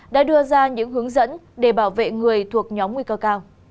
đã đưa ra những hướng dẫn để bảo vệ người thuộc nhóm nguy cơ cao